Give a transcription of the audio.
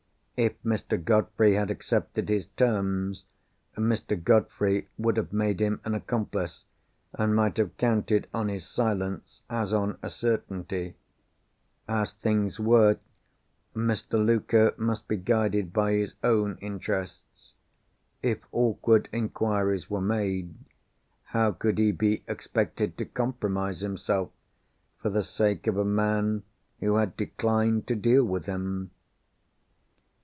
If Mr. Godfrey had accepted his terms, Mr. Godfrey would have made him an accomplice, and might have counted on his silence as on a certainty. As things were, Mr. Luker must be guided by his own interests. If awkward inquiries were made, how could he be expected to compromise himself, for the sake of a man who had declined to deal with him?